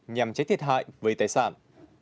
nhằm trách thiệt hại với tài sản